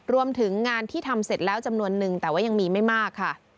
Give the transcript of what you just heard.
รวมถึงงานที่ทำเสร็จแล้วจำนวนนึงแต่ว่ายังมีไม่มากค่ะ